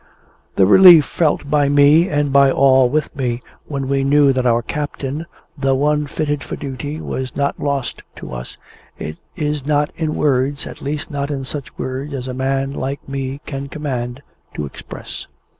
The relief felt by me, and by all with me, when we knew that our captain, though unfitted for duty, was not lost to us, it is not in words at least, not in such words as a man like me can command to express.